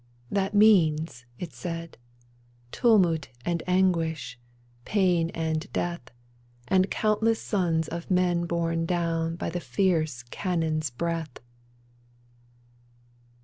"That means," it §aid, " Tumult and anguish, pain and death, And countless sons of men borne down By the fierce cannon's breath